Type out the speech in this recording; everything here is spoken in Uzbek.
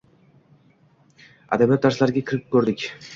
Adabiyot darslariga kirib ko’rdik.